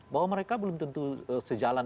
bahwa mereka belum tentu sejalan